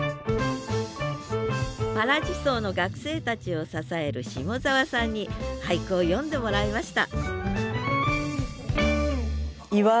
わらじ荘の学生たちを支える下沢さんに俳句を詠んでもらいました